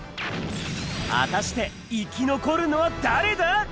果たして、生き残るのは誰だ？